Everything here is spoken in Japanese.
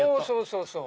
そうそう。